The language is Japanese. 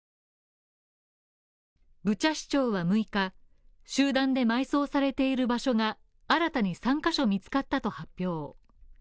ブチャ市長は６日、集団で埋葬されている場所が新たに３カ所見つかったと発表。